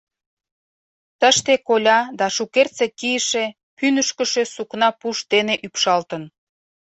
Тыште коля да шукертсек кийыше, пӱнышкышӧ сукна пуш дене ӱпшалтын.